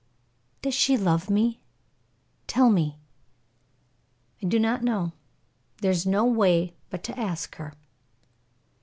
"Does she love me? Tell me!" "I do not know. There is no way but to ask her."